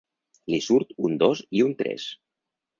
Li surt un dos i un tres.